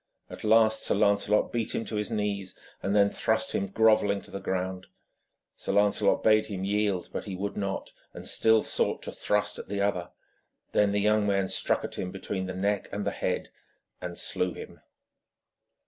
At last Sir Lancelot beat him to his knees, and then thrust him grovelling to the ground. Sir Lancelot bade him yield, but he would not, and still sought to thrust at the other. Then the young knight struck at him between the neck and the head and slew him.